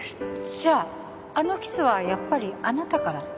じゃああのキスはやっぱりあなたから？